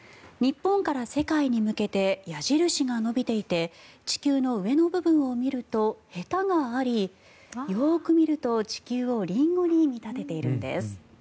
日本から世界に向けて矢印が伸びていて地球の上の部分を見るとへたがありよく見ると地球をリンゴに見立てているんです。